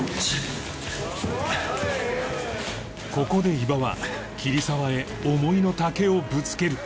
ここで伊庭は桐沢へ思いの丈をぶつける